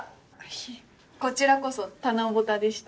いえこちらこそ棚ぼたでした。